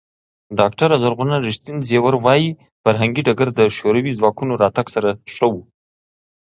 ډاکټره زرغونه ریښتین زېور وايي، فرهنګي ډګر د شوروي ځواکونو راتګ سره ښه و.